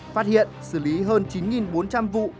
phát hiện xử lý hơn chín bốn trăm linh vụ